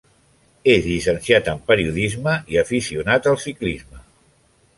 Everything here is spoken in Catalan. És llicenciat en Periodisme i aficionat al ciclisme.